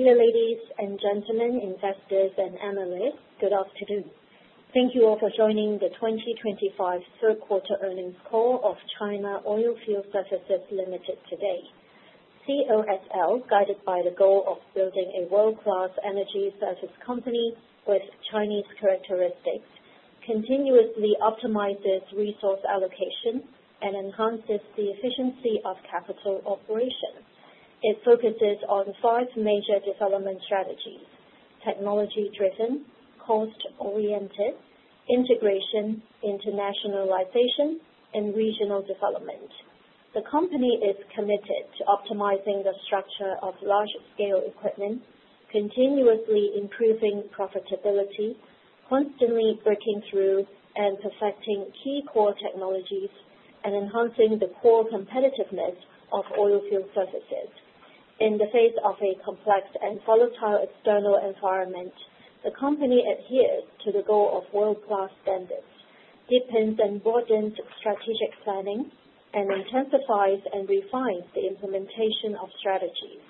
Dear ladies and gentlemen, investors and analysts, good afternoon. Thank you all for joining the 2025 third quarter earnings call of China Oilfield Services Ltd. today. COSL, guided by the goal of building a world-class energy service company with Chinese characteristics, continuously optimizes resource allocation and enhances the efficiency of capital operations. It focuses on five major development strategies: technology-driven, cost-oriented, integration, internationalization, and regional development. The company is committed to optimizing the structure of large-scale equipment, continuously improving profitability, constantly breaking through and perfecting key core technologies, and enhancing the core competitiveness of oilfield services. In the face of a complex and volatile external environment, the company adheres to the goal of world-class standards, deepens and broadens strategic planning, and intensifies and refines the implementation of strategies.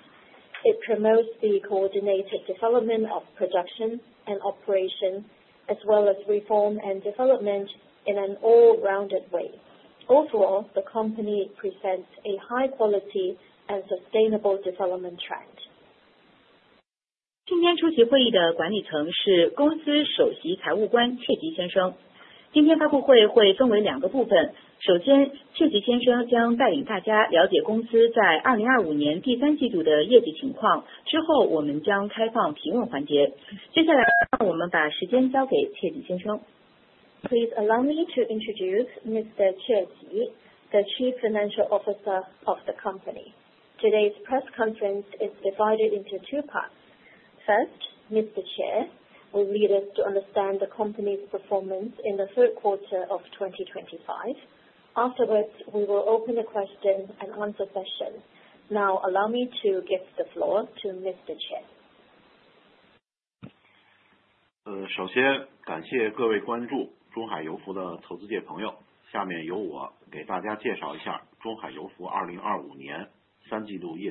It promotes the coordinated development of production and operations, as well as reform and development in an all-rounded way. Overall, the company presents a high-quality and sustainable development track. 今天出席会议的管理层是公司首席财务官切吉先生。今天发布会会分为两个部分。首先，切吉先生将带领大家了解公司在2025年第三季度的业绩情况，之后我们将开放提问环节。接下来让我们把时间交给切吉先生。Please allow me to introduce Mr. Che Jie, the Chief Financial Officer of the company. Today's press conference is divided into two parts. First, Mr. Che will lead us to understand the company's performance in the third quarter of 2025. Afterwards, we will open the question and answer session. Now, allow me to give the floor to Mr. Che. 首先感谢各位关注中海油服的投资界朋友。下面由我给大家介绍一下中海油服2024年三季度业绩情况。在本业绩期内，全球能源服务市场不确定性和波动性增强，油价中枢震荡下行。面对复杂的外部环境，公司聚焦增储上产需求，为高价值勘探和高水平上产持续供给装备和技术双重保障，通过全程全方位体系化管控，有效增强公司抗风险能力，实现经营业绩稳健提升。2024年前三季度公司营业收入实现人民币348.54亿元，同比增幅3.5%；归母净利润实现人民币32.09亿元，同比增幅31.3%。三大板块运营方面，2024年前三季度钻井板块持续深化精益管理，优化海内外市场资源配置，日历天使用率实现同比超两位数增长，板块收入显著提升。技术板块推动技术体系进一步向需求端和应用端延伸，主要业务线作业量实现同比增长，板块整体利润率保持稳定。船舶板块持续巩固国内市场份额领先优势，累计作业天数同比增加9,427天，板块营收同比增速达10%。物探板块聚焦高回报业务，优化调整产能布局，收入与利润均实现同比增长。未来一段时间，公司将继续抓好国内油气增储上产资源保障、海外经营质量精益管理、科技创新、风险防控等重点工作，持续优化以价值创造为中心，推动公司生产经营再上新台阶，以良好业绩回馈全体股东和社会各界。谢谢大家，欢迎各位朋友投资者提问交流。谢谢管理层的介绍。现在我们将进行提问环节。为了让更多投资者朋友有提问机会，请每位提问不超过两个问题。提问之前，请先告知您所在的公司和姓名。并请注意，我们将在问答环节提供交传，在您提出问题后留出一些时间来进行翻译。如需提问，请按星一键。Thank you for the management's introduction. Now we will proceed to the Q&A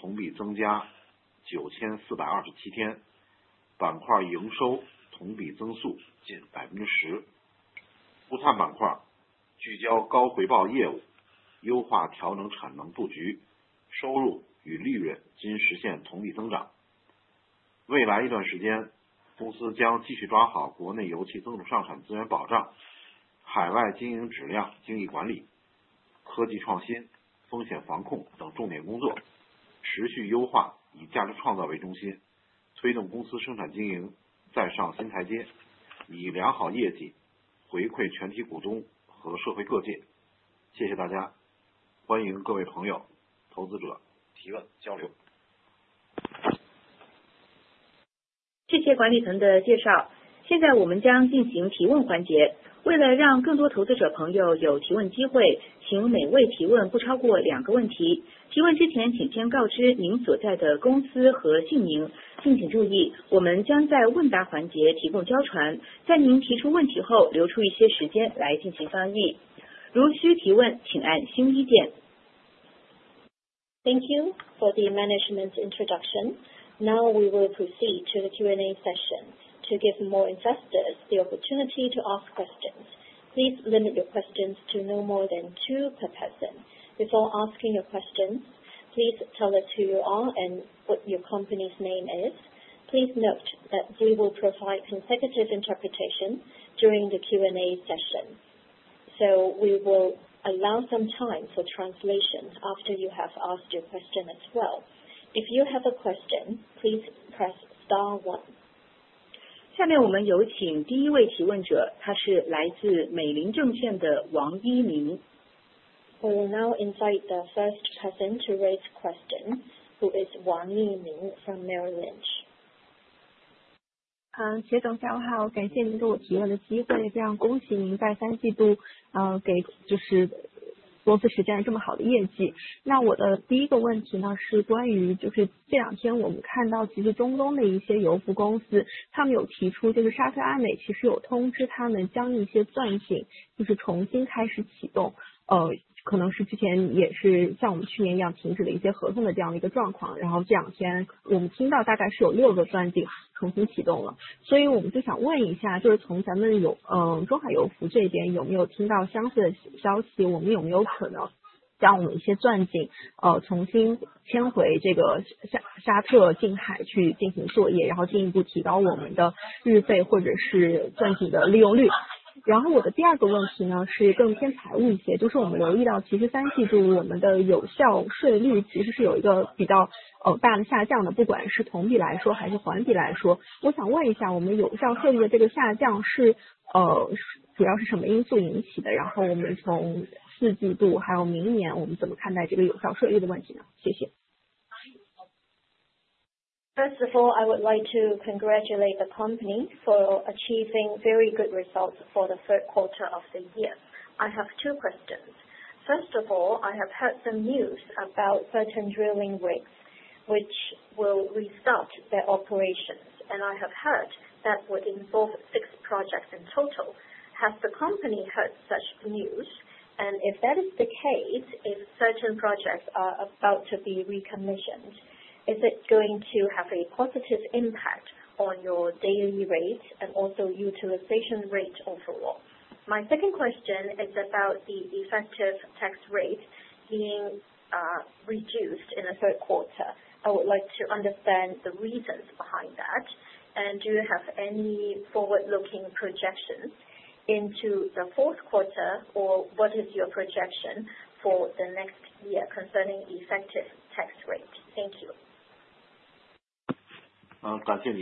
session to give more investors the opportunity to ask questions. Please limit your questions to no more than two per person. Before asking your questions, please tell us who you are and what your company's name is. Please note that we will provide consecutive interpretation during the Q&A session, so we will allow some time for translation after you have asked your question as well. If you have a question, please press star one. 下面我们有请第一位提问者，他是来自美林证券的王一鸣。We will now invite the first person to raise questions, who is Wang Yiming from Merrill Lynch. First of all, I would like to congratulate the company for achieving very good results for the third quarter of the year. I have two questions. First of all, I have heard some news about certain drilling rigs which will restart their operations, and I have heard that would involve six projects in total. Has the company heard such news? If that is the case, if certain projects are about to be recommissioned, is it going to have a positive impact on your daily rate and also utilization rate overall? My second question is about the effective tax rate being reduced in the third quarter. I would like to understand the reasons behind that, and do you have any forward-looking projections into the fourth quarter, or what is your projection for the next year concerning effective tax rate? Thank you.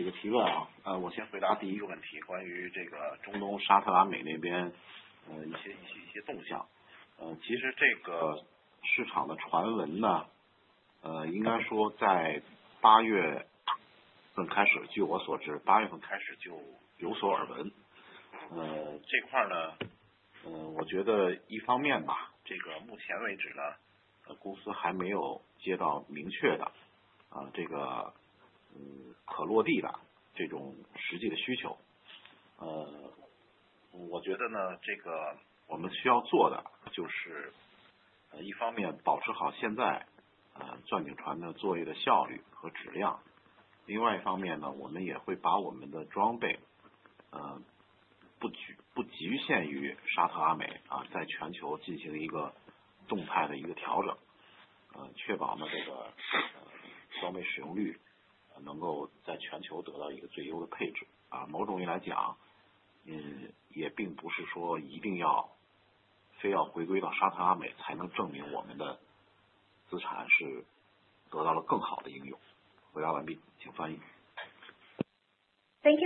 Thank you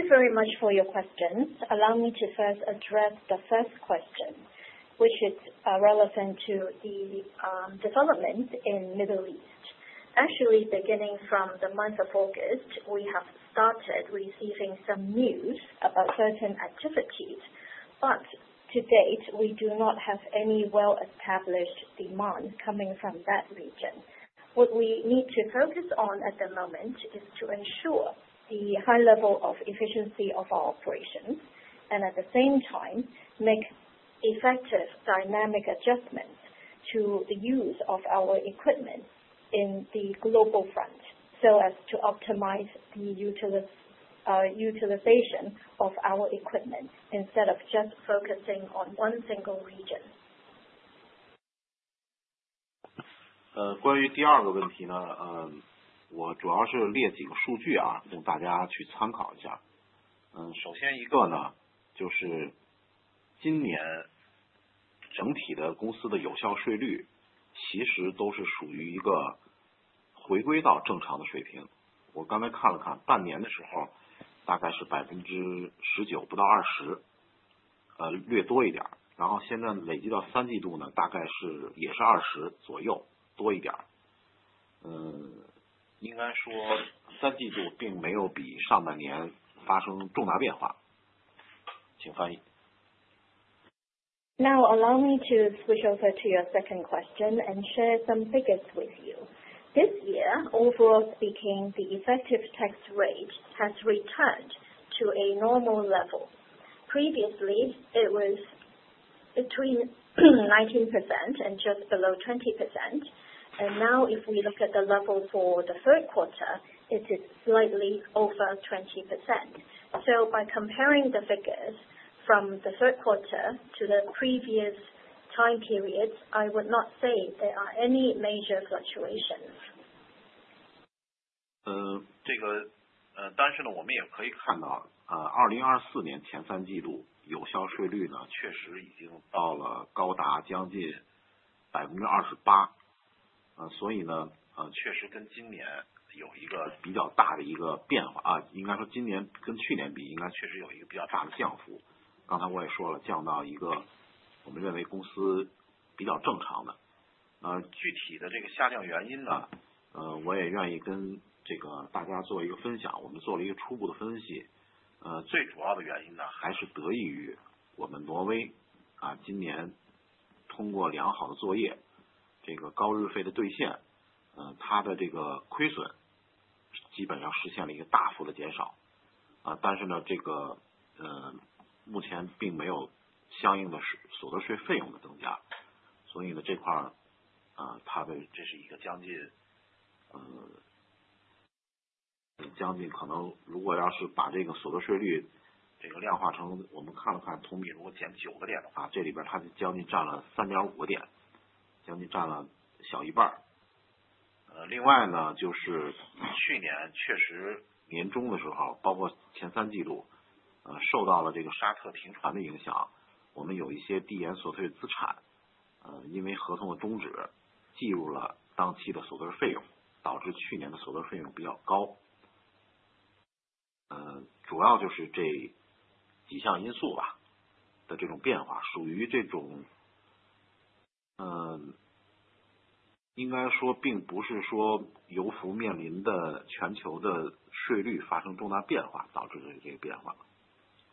very much for your questions. Allow me to first address the first question, which is relevant to the development in the Middle East. Actually, beginning from the month of August, we have started receiving some news about certain activities, but to date we do not have any well-established demand coming from that region. What we need to focus on at the moment is to ensure the high level of efficiency of our operations, and at the same time make effective dynamic adjustments to the use of our equipment on the global front, so as to optimize the utilization of our equipment instead of just focusing on one single region. 关于第二个问题，我主要是列几个数据，供大家去参考一下。首先一个，就是今年整体的公司的有效税率其实都是属于一个回归到正常的水平。我刚才看了看，半年的时候大概是19%不到20%，略多一点，然后现在累计到三季度，大概是也是20%左右多一点。应该说三季度并没有比上半年发生重大变化。Now allow me to switch over to your second question and share some figures with you. This year, overall speaking, the effective tax rate has returned to a normal level. Previously it was between 19% and just below 20%, and now if we look at the level for the third quarter, it is slightly over 20%. So by comparing the figures from the third quarter to the previous time periods, I would not say there are any major fluctuations.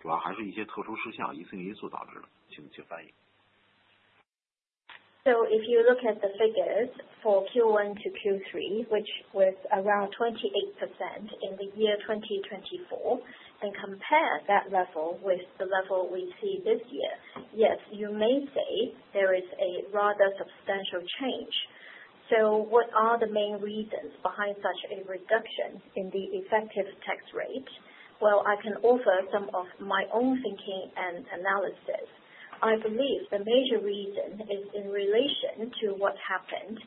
If you look at the figures for Q1 to Q3, which was around 28% in 2024, and compare that level with the level we see this year, yes, you may say there is a rather substantial change. What are the main reasons behind such a reduction in the effective tax rate? I can offer some of my own thinking and analysis. I believe the major reason is in relation to what happened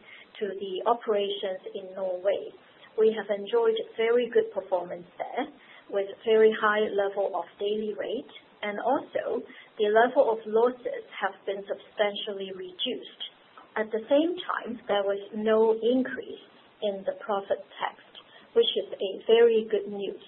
to the operations in Norway. We have enjoyed very good performance there, with very high level of daily rate, and also the level of losses have been substantially reduced. At the same time, there was no increase in the profit tax, which is very good news.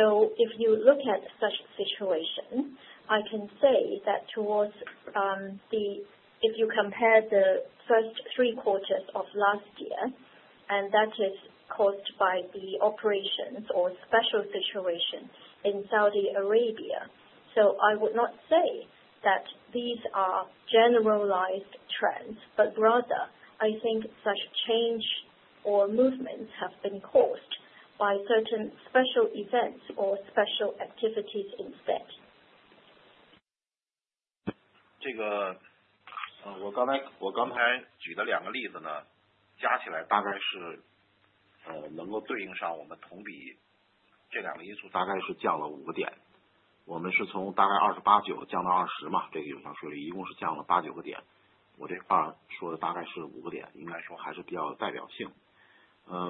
If you look at such situation, I can say that towards the if you compare the first three quarters of last year, and that is caused by the operations or special situation in Saudi Arabia, I would not say that these are generalized trends, but rather I think such change or movements have been caused by certain special events or special activities instead. 这个我刚才举的两个例子呢，加起来大概是能够对应上我们同比这两个因素，大概是降了5个点。我们是从大概28.9%降到20%嘛，这个有效税率一共是降了八九个点。我这块说的大概是5个点，应该说还是比较有代表性。展望四季度或者全年来看呢，我个人判断呢，第一呢这个因素一定还会在年内有所延续。另外一个呢，因为已经整体回归到了一个正常的有效税率这个水平啊，所以呢也不会有大幅的这种波动啊，目前看回答完毕。So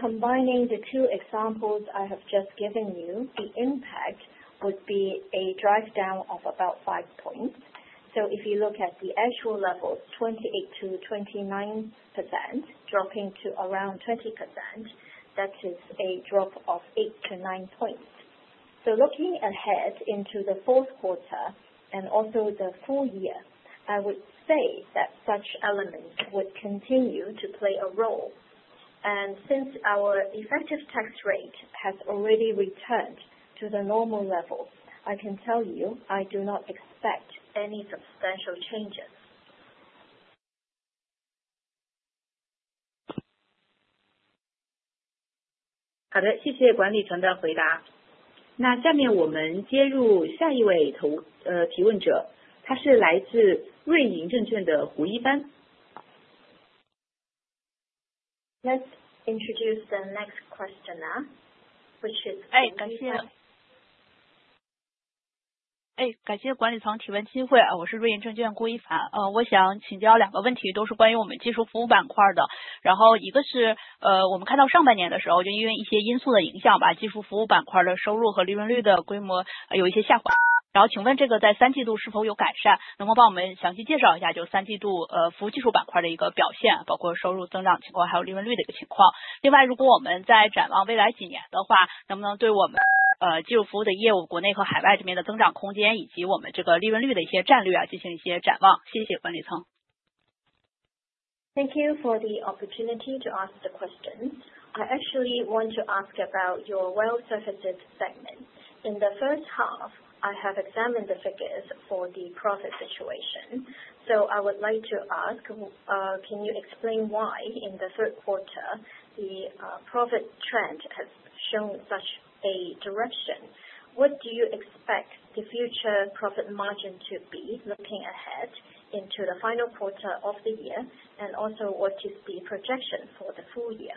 combining the two examples I have just given you, the impact would be a drive down of about five points. If you look at the actual levels, 28% to 29% dropping to around 20%, that is a drop of eight to nine points. Looking ahead into the fourth quarter and also the full year, I would say that such elements would continue to play a role. Since our effective tax rate has already returned to the normal level, I can tell you I do not expect any substantial changes. 好的，谢谢管理层的回答。下面我们接入下一位投资提问者，他是来自瑞银证券的胡一帆。Let's introduce the next questioner, which is Thank you for the opportunity to ask the questions. I actually want to ask about your well-surfaced segment. In the first half, I have examined the figures for the profit situation, so I would like to ask, can you explain why in the third quarter the profit trend has shown such a direction? What do you expect the future profit margin to be looking ahead into the final quarter of the year, and also what is the projection for the full year?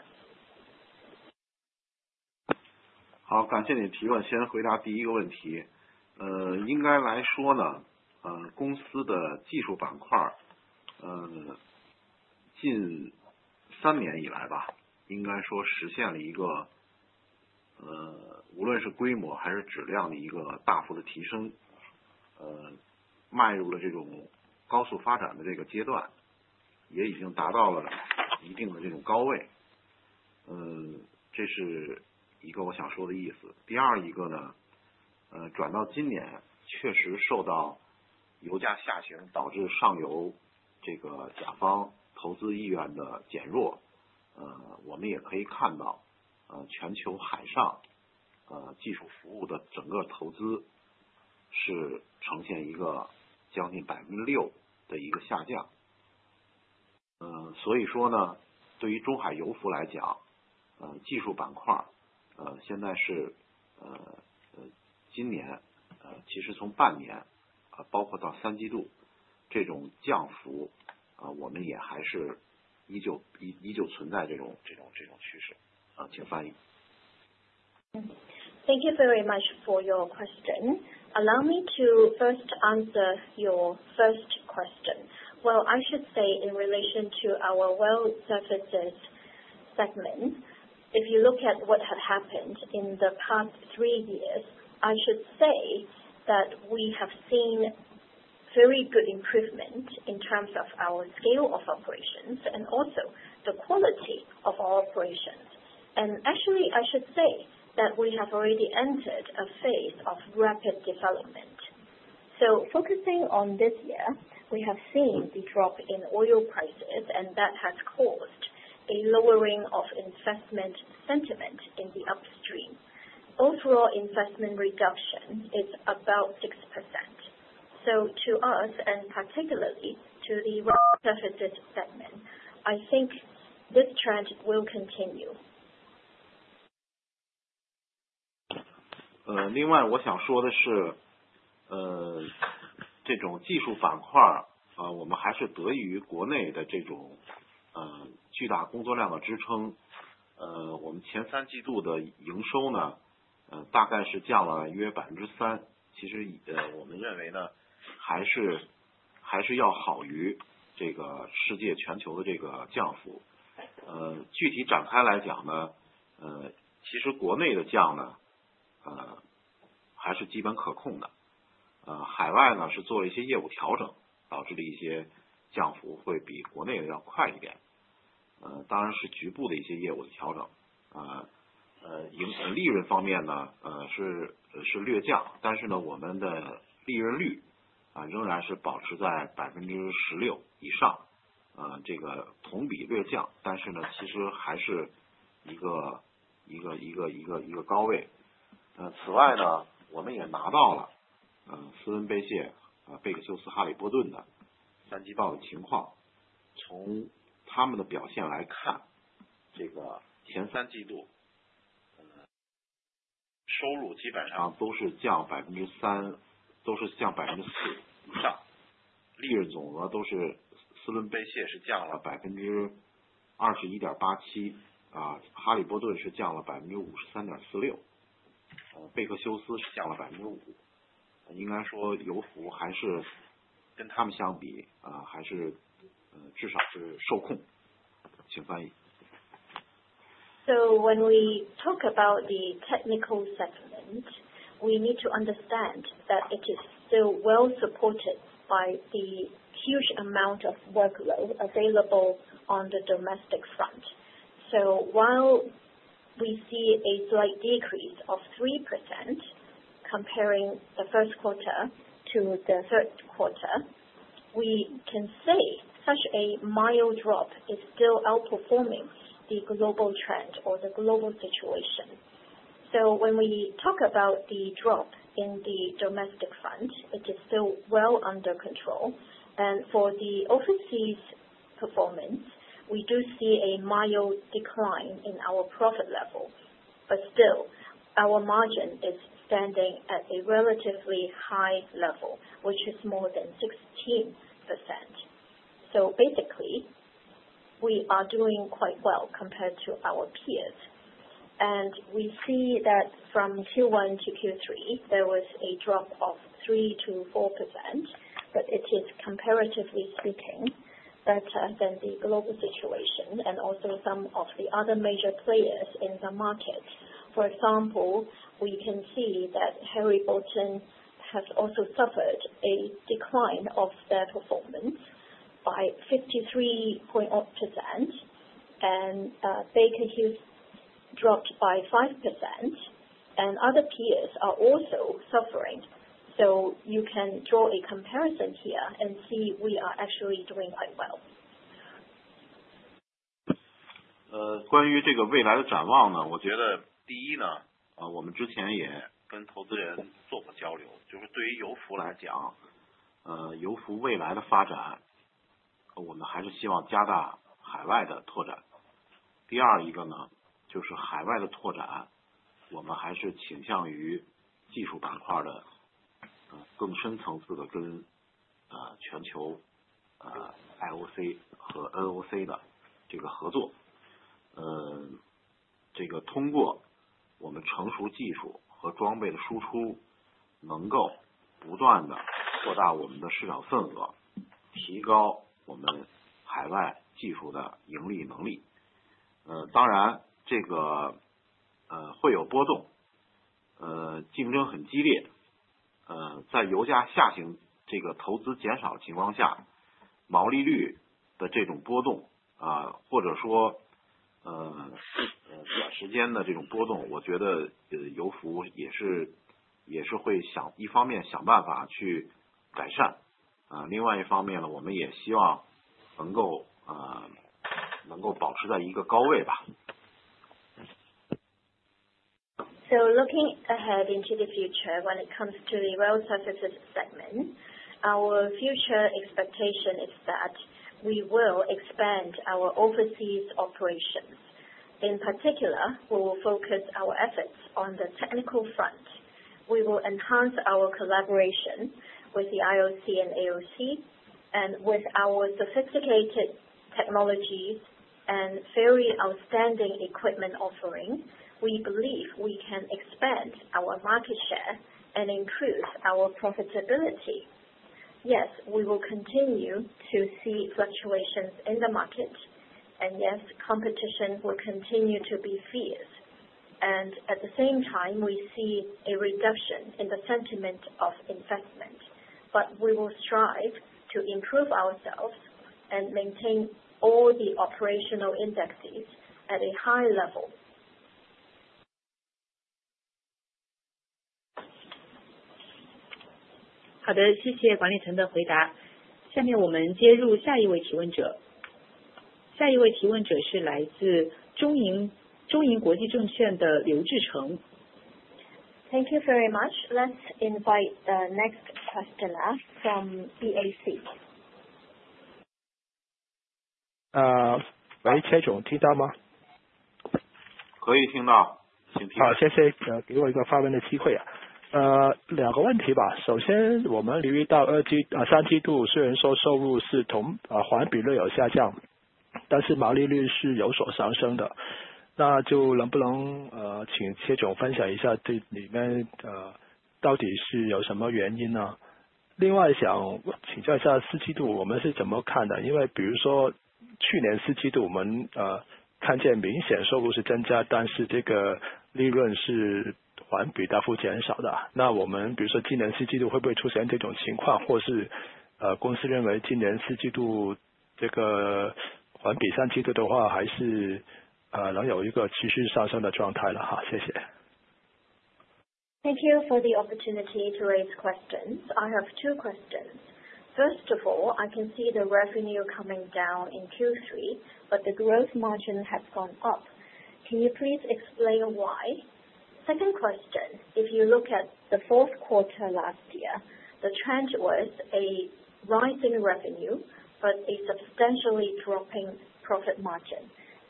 Thank you very much for your question. Allow me to first answer your first question. I should say in relation to our well-serviced segment, if you look at what has happened in the past three years, I should say that we have seen very good improvement in terms of our scale of operations and also the quality of our operations. Actually, I should say that we have already entered a phase of rapid development. Focusing on this year, we have seen the drop in oil prices, and that has caused a lowering of investment sentiment in the upstream. Overall investment reduction is about 6%. To us, and particularly to the well-serviced segment, I think this trend will continue. When we talk about the technical settlement, we need to understand that it is still well supported by the huge amount of workload available on the domestic front. While we see a slight decrease of 3% comparing the first quarter to the third quarter, we can say such a mild drop is still outperforming the global trend or the global situation. When we talk about the drop in the domestic front, it is still well under control, and for the overseas performance, we do see a mild decline in our profit level, but still our margin is standing at a relatively high level, which is more than 16%. Basically, we are doing quite well compared to our peers, and we see that from Q1 to Q3 there was a drop of 3% to 4%, but it is comparatively speaking better than the global situation and also some of the other major players in the market. For example, we can see that Harry Bolton has also suffered a decline of their performance by 53.8%, and Baker Hughes dropped by 5%, and other peers are also suffering. You can draw a comparison here and see we are actually doing quite well. Looking ahead into the future, when it comes to the well-surfaced segment, our future expectation is that we will expand our overseas operations. In particular, we will focus our efforts on the technical front. We will enhance our collaboration with the IOC and AOC, and with our sophisticated technologies and very outstanding equipment offering, we believe we can expand our market share and improve our profitability. Yes, we will continue to see fluctuations in the market, and yes, competition will continue to be fierce, and at the same time, we see a reduction in the sentiment of investment, but we will strive to improve ourselves and maintain all the operational indexes at a high level. 好的，谢谢管理层的回答。下面我们接入下一位提问者。下一位提问者是来自中银国际证券的刘志成。Thank you very much. Let's invite the next questioner from BOCI. Thank you for the opportunity to raise questions. I have two questions. First of all, I can see the revenue coming down in Q3, but the gross margin has gone up. Can you please explain why? Second question, if you look at the fourth quarter last year, the trend was a rising revenue, but a substantially dropping profit margin.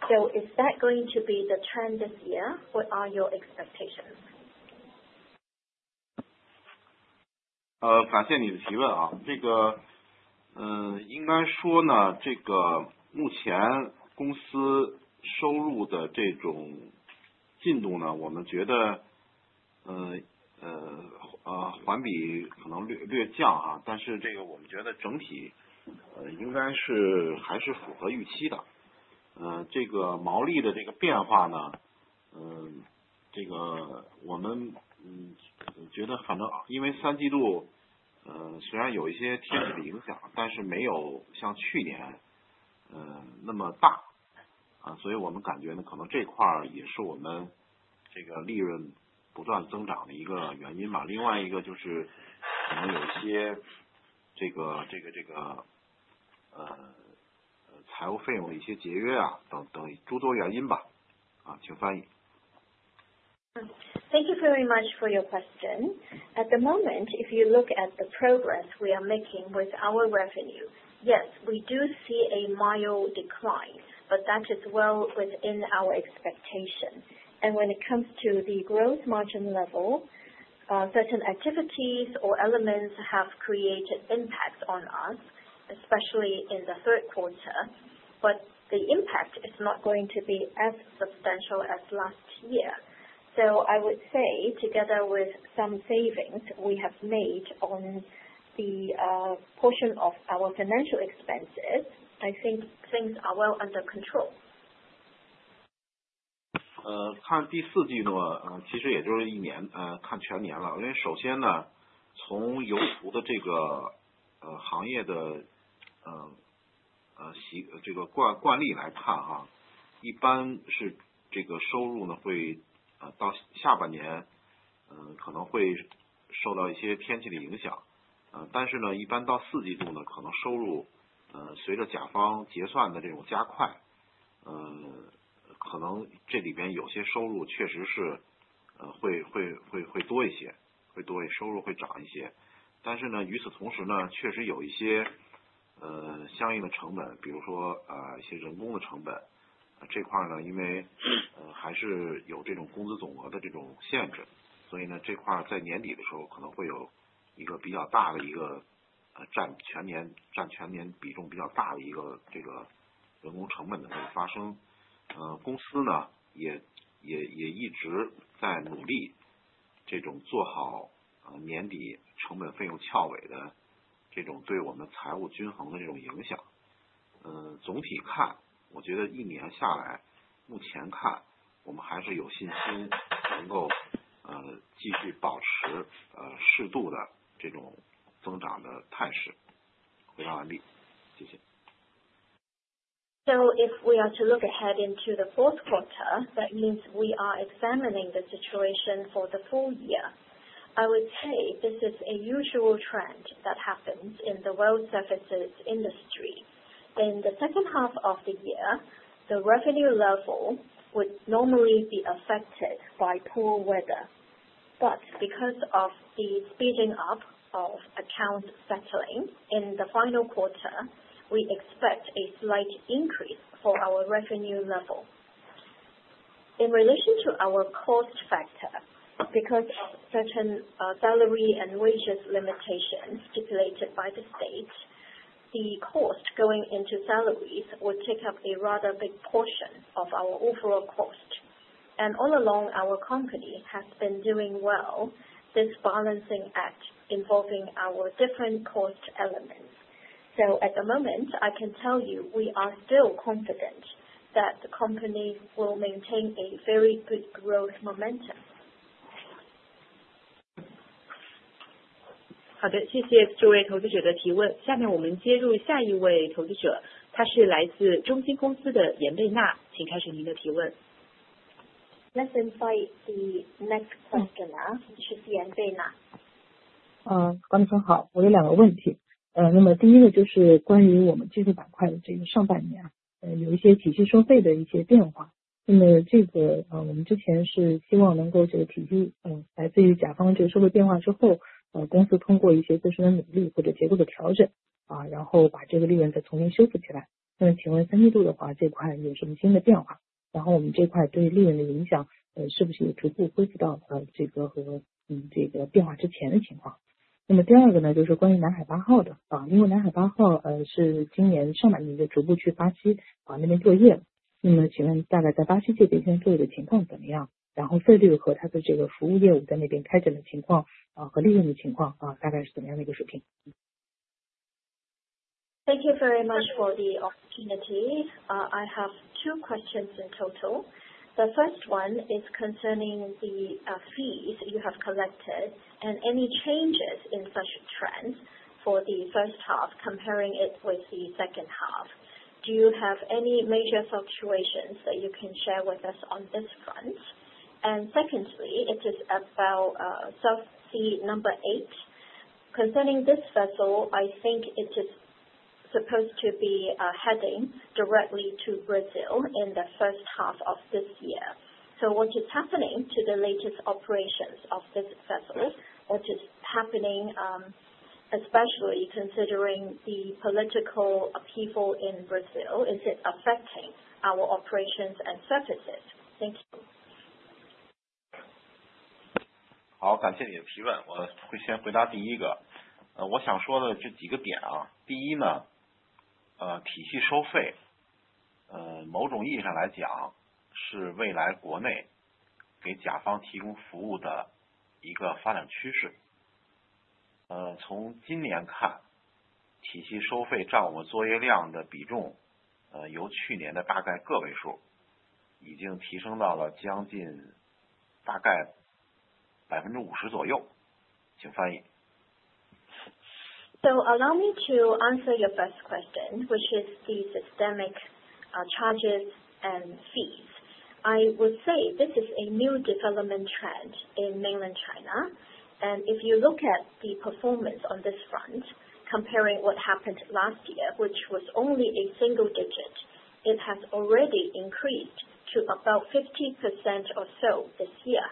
So is that going to be the trend this year? What are your expectations? Thank you very much for your question. At the moment, if you look at the progress we are making with our revenue, yes, we do see a mild decline, but that is well within our expectation. When it comes to the growth margin level, certain activities or elements have created impact on us, especially in the third quarter, but the impact is not going to be as substantial as last year. So I would say together with some savings we have made on the portion of our financial expenses, I think things are well under control. If we are to look ahead into the fourth quarter, that means we are examining the situation for the full year. I would say this is a usual trend that happens in the well-surfaced industry. In the second half of the year, the revenue level would normally be affected by poor weather, but because of the speeding up of account settling in the final quarter, we expect a slight increase for our revenue level. In relation to our cost factor, because of certain salary and wages limitations stipulated by the state, the cost going into salaries would take up a rather big portion of our overall cost, and all along our company has been doing well this balancing act involving our different cost elements. At the moment, I can tell you we are still confident that the company will maintain a very good growth momentum. 好的，谢谢这位投资者的提问。下面我们接入下一位投资者，他是来自中金公司的严贝娜，请开始您的提问。Let's invite the next questioner, which is Yan Thank you very much for the opportunity. I have two questions in total. The first one is concerning the fees you have collected and any changes in such trends for the first half comparing it with the second half. Do you have any major fluctuations that you can share with us on this front? Secondly, it is about self-seed number eight. Concerning this vessel, I think it is supposed to be heading directly to Brazil in the first half of this year. So what is happening to the latest operations of this vessel? What is happening, especially considering the political upheaval in Brazil? Is it affecting our operations and services? Thank you. Allow me to answer your first question, which is the systemic charges and fees. I would say this is a new development trend in mainland China, and if you look at the performance on this front, comparing what happened last year, which was only a single digit, it has already increased to about 50% or so this year.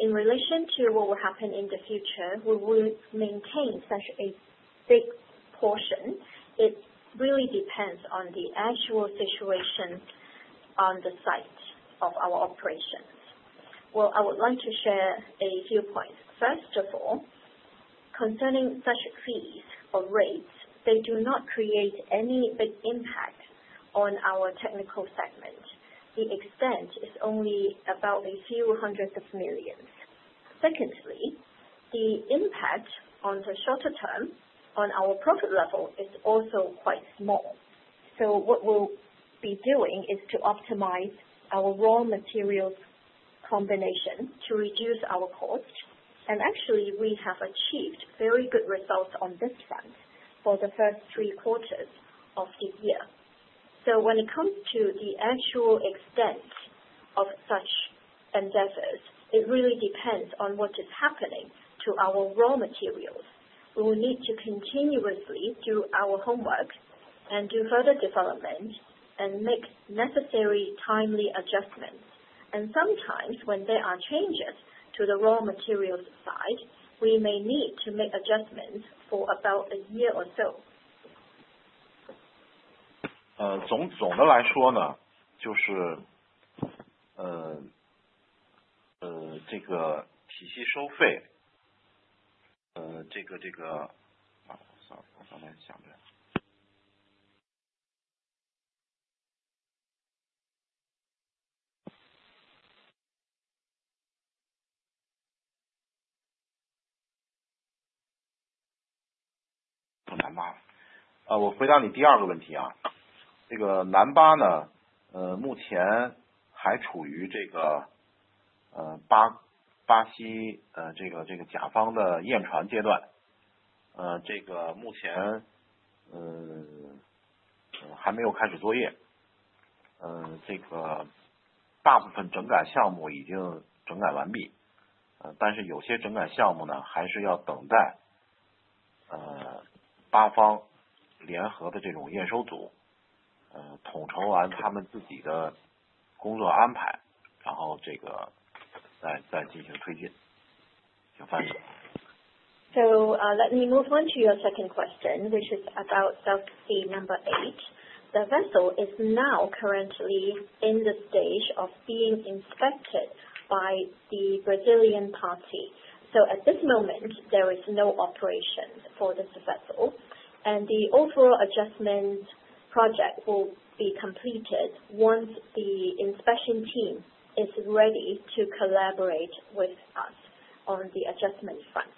In relation to what will happen in the future, we will maintain such a big portion; it really depends on the actual situation on the site of our operations. I would like to share a few points. First of all, concerning such fees or rates, they do not create any big impact on our technical segment; the extent is only about a few hundreds of millions. Secondly, the impact on the shorter term on our profit level is also quite small, what we'll be doing is to optimize our raw materials combination to reduce our cost, and actually we have achieved very good results on this front for the first three quarters of the year. When it comes to the actual extent of such endeavors, it really depends on what is happening to our raw materials. We will need to continuously do our homework and do further development and make necessary timely adjustments, and sometimes when there are changes to the raw materials side, we may need to make adjustments for about a year or so. So, let me move on to your second question, which is about self-seed number eight. The vessel is now currently in the stage of being inspected by the Brazilian party, so at this moment there is no operation for this vessel, and the overall adjustment project will be completed once the inspection team is ready to collaborate with us on the adjustment front.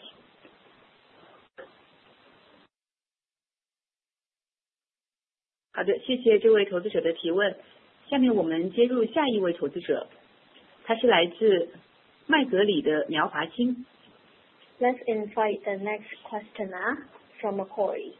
好的，谢谢这位投资者的提问。下面我们接入下一位投资者，他是来自麦格理的苗华清。Let's invite the next questioner from Corey.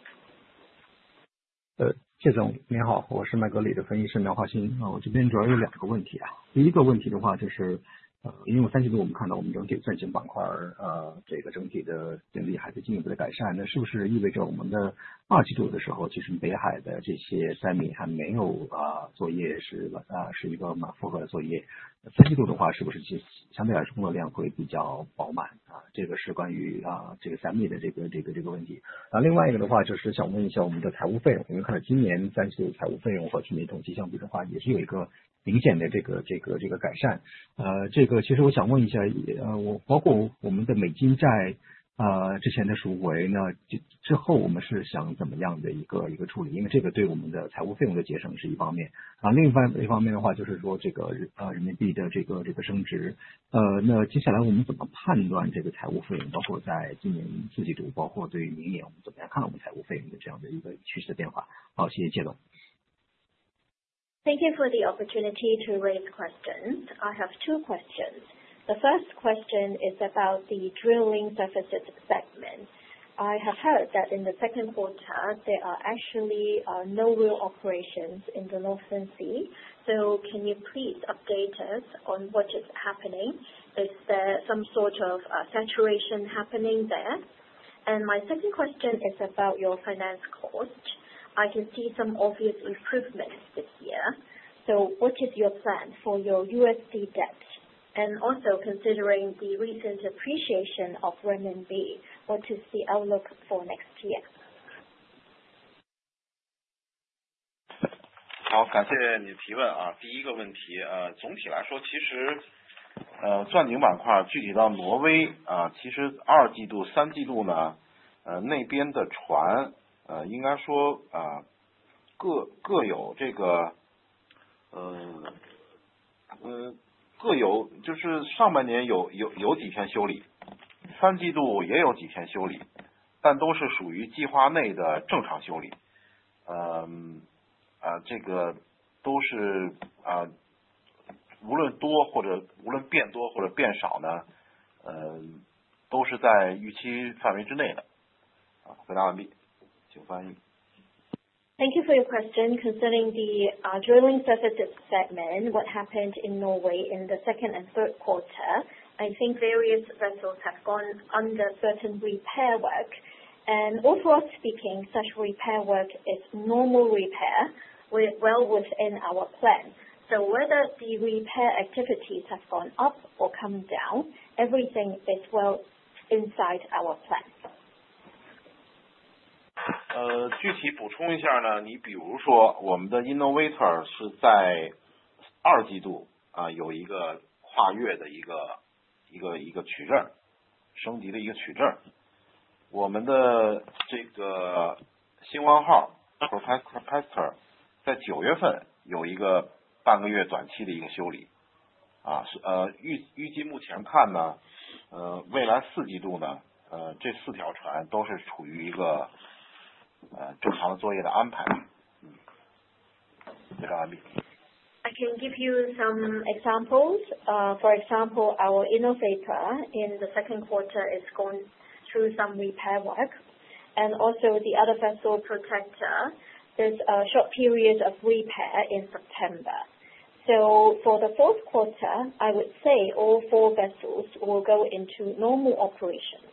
Thank you for the opportunity to raise questions. I have two questions. The first question is about the drilling surfaces segment. I have heard that in the second quarter there are actually no real operations in the northern sea, so can you please update us on what is happening? Is there some sort of saturation happening there? My second question is about your finance cost. I can see some obvious improvements this year, so what is your plan for your USD debt? Also considering the recent appreciation of renminbi, what is the outlook for next year? Thank you for your question. Concerning the drilling surfaces segment, what happened in Norway in the second and third quarter? I think various vessels have gone under certain repair work, and overall speaking, such repair work is normal repair well within our plan, so whether the repair activities have gone up or come down, everything is well inside our plan. 具体补充一下，比如说我们的Innovator是在二季度有一个跨越的取证升级，我们的新王号Pro Pais Pro Paister在九月份有一个半个月短期的修理。预计目前看，未来四季度这四条船都是处于正常的作业安排。I can give you some examples. For example, our Innovator in the second quarter is going through some repair work, and also the other vessel Protexta is a short period of repair in September. So for the fourth quarter, I would say all four vessels will go into normal operations.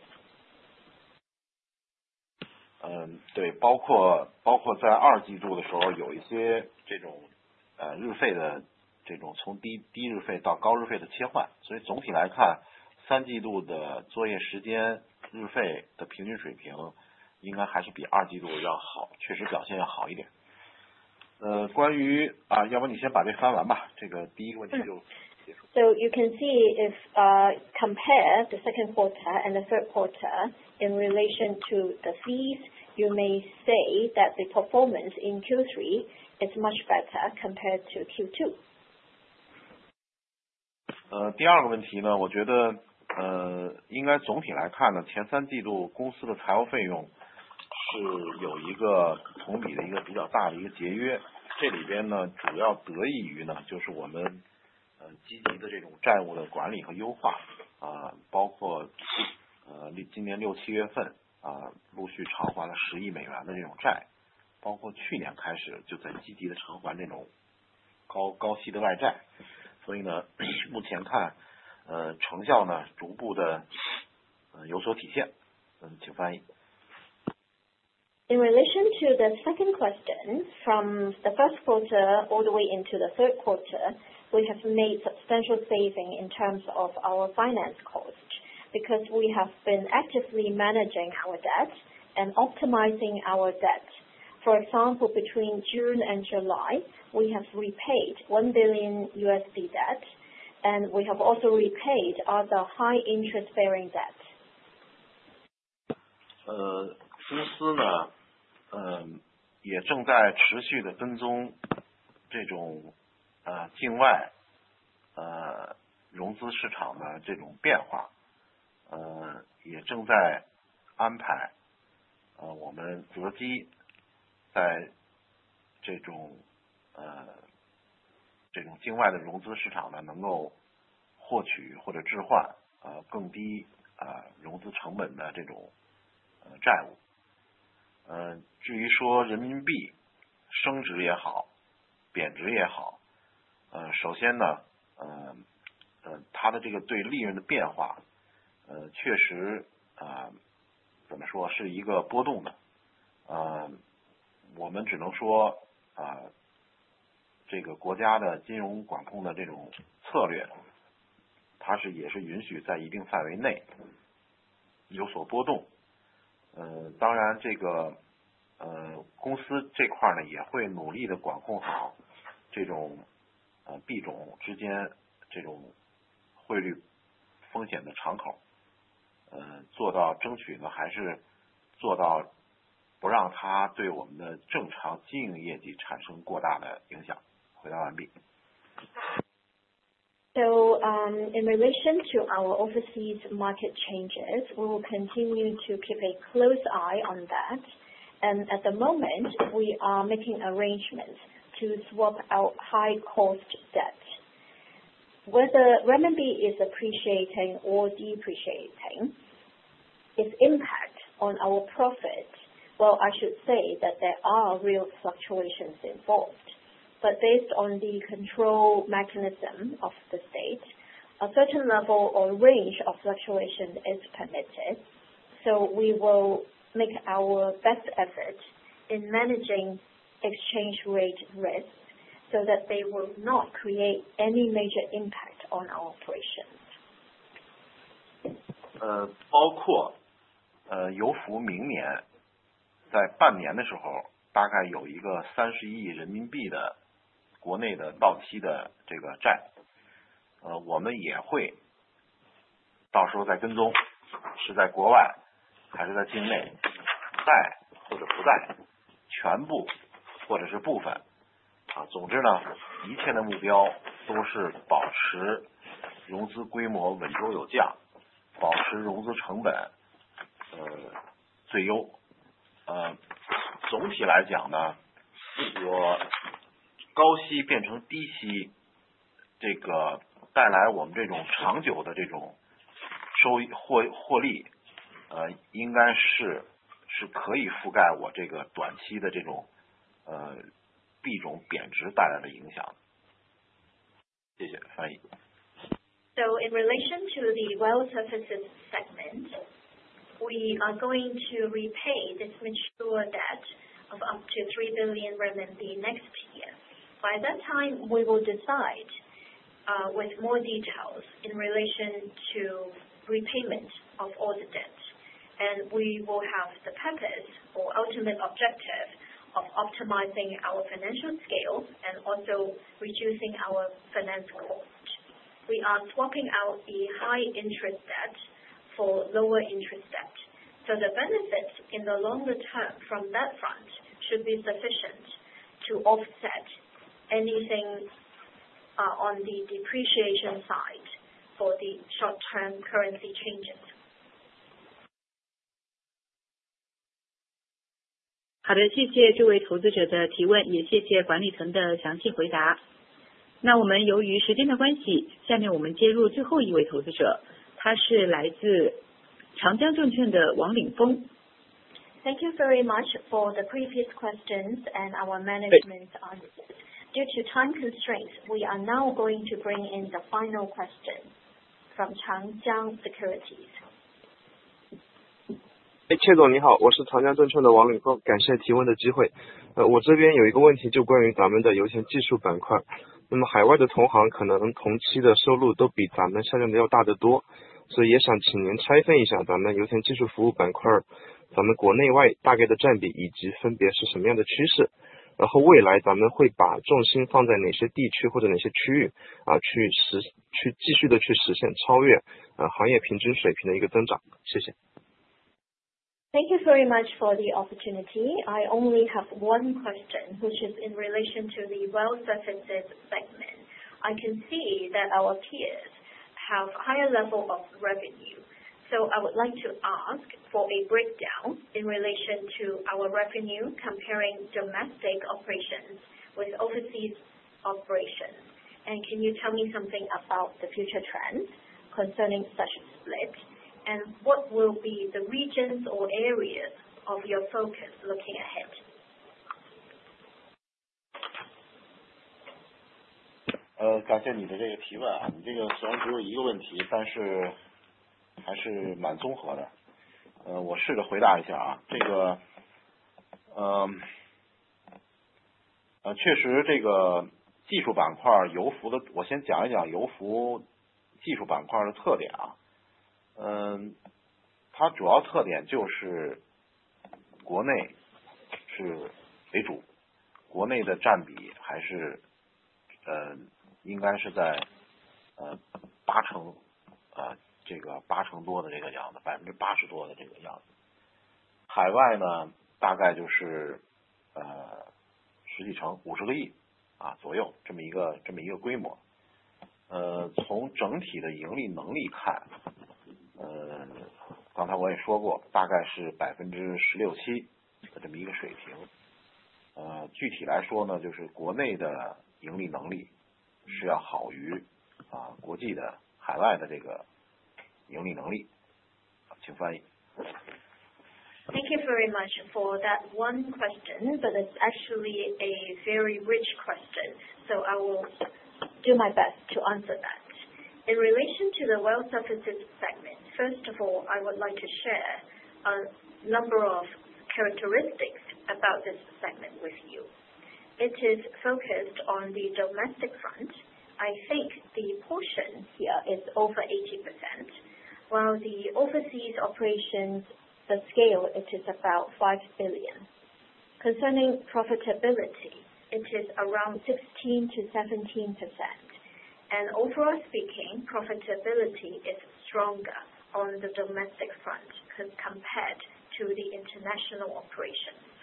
嗯，对，包括在二季度的时候有一些这种日费的从低日费到高日费的切换，所以总体来看三季度的作业时间日费的平均水平应该还是比二季度要好，确实表现要好一点。关于，要不你先把这翻完吧，这个第一个问题就结束。You can see if you compare the second quarter and the third quarter in relation to the fees, you may say that the performance in Q3 is much better compared to Q2. 第二个问题，我觉得应该总体来看，前三季度公司的财务费用是有一个同比的比较大的节约，这里边主要得益于我们积极的债务管理和优化，包括今年六七月份陆续偿还了十亿美元的债，包括去年开始就在积极的偿还高息的外债，所以目前看成效逐步有所体现。请翻译。In relation to the second question, from the first quarter all the way into the third quarter, we have made substantial savings in terms of our finance cost because we have been actively managing our debt and optimizing our debt. For example, between June and July, we have repaid $1 billion debt, and we have also repaid other high interest bearing debt. In relation to our overseas market changes, we will continue to keep a close eye on that, and at the moment we are making arrangements to swap out high cost debt. Whether renminbi is appreciating or depreciating, its impact on our profit, well, I should say that there are real fluctuations involved, but based on the control mechanism of the state, a certain level or range of fluctuation is permitted, so we will make our best effort in managing exchange rate risk so that they will not create any major impact on our operations. In relation to the well surfaces segment, we are going to repay this mature debt of up to ¥3 billion next year. By that time we will decide, with more details in relation to repayment of all the debt, and we will have the purpose or ultimate objective of optimizing our financial scale and also reducing our finance cost. We are swapping out the high interest debt for lower interest debt, so the benefits in the longer term from that front should be sufficient to offset anything on the depreciation side for the short-term currency changes. 好的，谢谢这位投资者的提问，也谢谢管理层的详细回答。那我们由于时间的关系，下面我们接入最后一位投资者，他是来自长江证券的王岭峰。Thank you very much for the previous questions and our management answers. Due to time constraints, we are now going to bring in the final question from Changjiang Securities. 谢总您好，我是长江证券的王岭峰，感谢提问的机会。我这边有一个问题，就关于咱们的油田技术板块。海外的同行可能同期的收入都比咱们下降的要大得多，所以也想请您拆分一下咱们油田技术服务板块，咱们国内外大概的占比，以及分别是什么样的趋势，然后未来咱们会把重心放在哪些地区或者哪些区域，去继续实现超越行业平均水平的增长，谢谢。Thank you very much for the opportunity. I only have one question, which is in relation to the well surfaces segment. I can see that our peers have a higher level of revenue, so I would like to ask for a breakdown in relation to our revenue comparing domestic operations with overseas operations, and can you tell me something about the future trends concerning such split, and what will be the regions or areas of your focus looking ahead? Thank you very much for that one question, but it's actually a very rich question, so I will do my best to answer that. In relation to the well surfaces segment, first of all, I would like to share a number of characteristics about this segment with you. It is focused on the domestic front. I think the portion here is over 80%, while the overseas operations, the scale, it is about $5 billion. Concerning profitability, it is around 16% to 17%, and overall speaking, profitability is stronger on the domestic front compared to the international operations.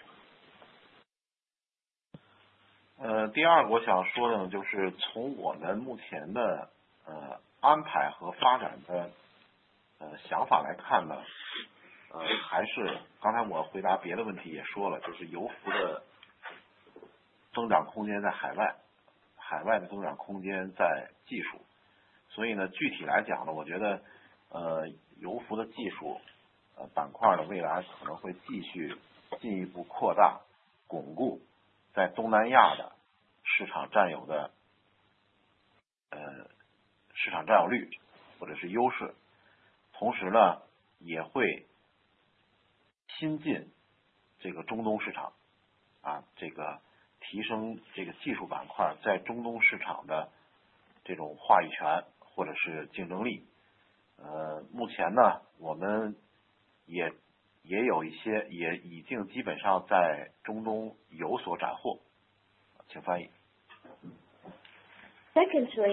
Secondly,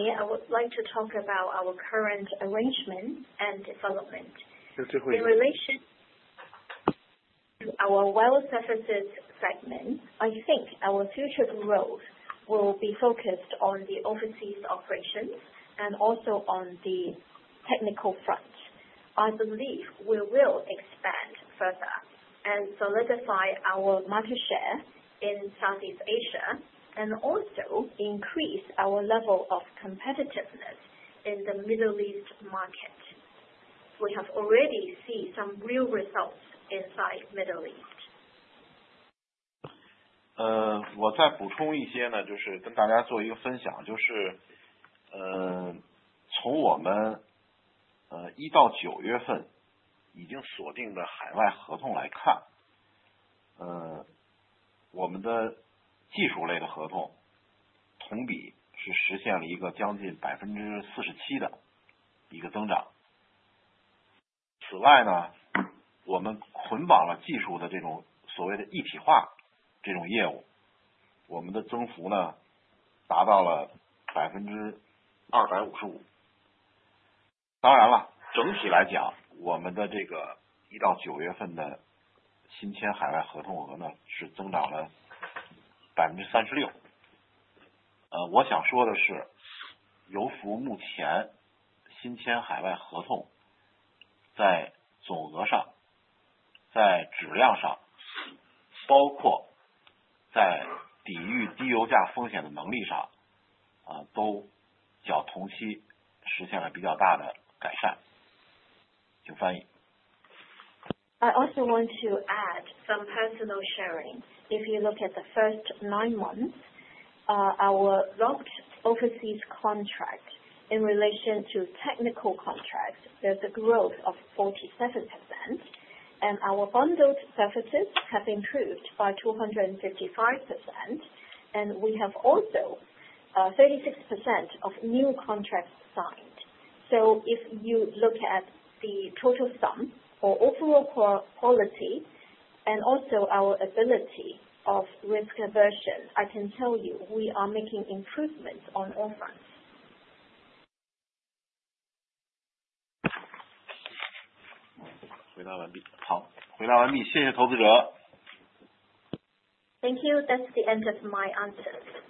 I would like to talk about our current arrangements and development. 就最后一点。In relation to our well surfaces segment, I think our future growth will be focused on the overseas operations and also on the technical front. I believe we will expand further and solidify our market share in Southeast Asia and also increase our level of competitiveness in the Middle East market. We have already seen some real results inside Middle East. I also want to add some personal sharing. If you look at the first nine months, our locked overseas contract in relation to technical contract, there's a growth of 47%, and our bundled surfaces have improved by 255%, and we have also, 36% of new contracts signed. So if you look at the total sum or overall quality and also our ability of risk aversion, I can tell you we are making improvements on all fronts. 回答完毕，好，回答完毕，谢谢投资者。Thank you, that's the end of my answers.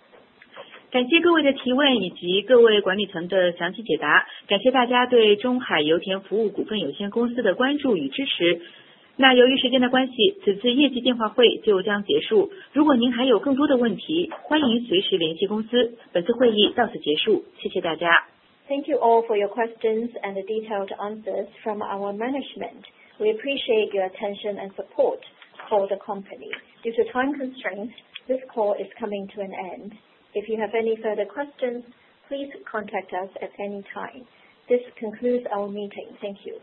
感谢各位的提问以及各位管理层的详细解答，感谢大家对中海油田服务股份有限公司的关注与支持。那由于时间的关系，此次业绩电话会就将结束。如果您还有更多的问题，欢迎随时联系公司。本次会议到此结束，谢谢大家。Thank you all for your questions and the detailed answers from our management. We appreciate your attention and support for the company. Due to time constraints, this call is coming to an end. If you have any further questions, please contact us at any time. This concludes our meeting. Thank you.